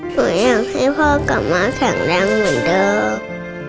ขอให้พ่อกลับมาแข็งแรงเหมือนเดิม